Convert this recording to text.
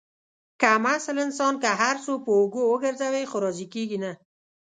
کم اصل انسان که هر څو په اوږو وگرځوې، خو راضي کېږي نه.